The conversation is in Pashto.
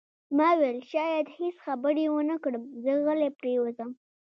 ما وویل: شاید هیڅ خبرې ونه کړم، زه غلی پرېوځم.